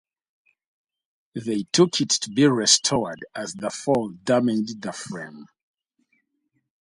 They took it to be restored as the fall damaged the frame.